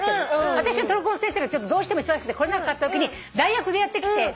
私のトルコ語の先生がどうしても忙しくて来れなかったときに代役でやって来て。